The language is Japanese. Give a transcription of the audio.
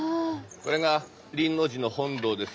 これが輪王寺の本堂です。